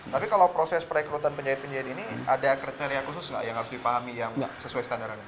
tapi kalau proses perekrutan penjahit penjahit ini ada kriteria khusus nggak yang harus dipahami yang sesuai standarannya